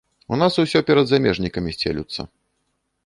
У нас усё перад замежнікамі сцелюцца.